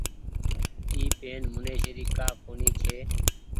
اي پين منيشي ري ڪآ ڪونيٚ ڇي۔